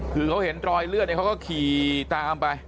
คือเขาเห็นรอยเลือดเนี่ยเขาก็ขี่ตามไป